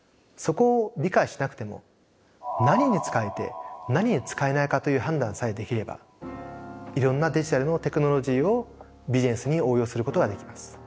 そこを理解しなくても何に使えて何に使えないかという判断さえできればいろんなデジタルのテクノロジーをビジネスに応用することができます。